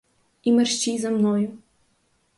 І мерщій за мною!